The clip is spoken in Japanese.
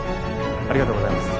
ありがとうございます。